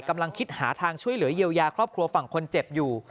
กำลังคิดหาทางช่วยเหลือเยียวยาครอบครัวฝั่งคนเจ็บอยู่